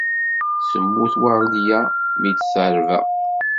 Temmut Werdiya mi d-terba.